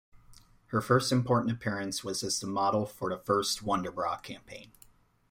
Her first important appearance was as the model for the first Wonderbra campaign.